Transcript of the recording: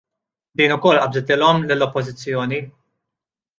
Din ukoll qabżitilhom lill-Oppożizzjoni.